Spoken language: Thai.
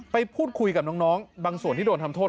ไปพูดคุยกับน้องบางส่วนที่โดนทำโทษ